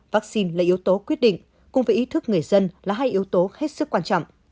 vaccine là yếu tố quyết định cùng với ý thức người dân là hai yếu tố hết sức quan trọng